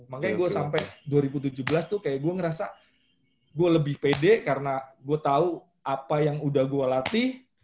makanya gue sampai dua ribu tujuh belas tuh kayak gue ngerasa gue lebih pede karena gue tahu apa yang udah gue latih